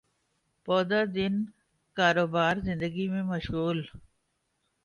پورا دن کاروبار زندگی میں مشغول